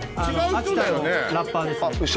秋田のラッパーですね。